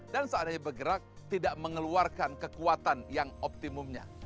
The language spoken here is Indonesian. dan saatnya bergerak tidak mengeluarkan kekuatan yang optimumnya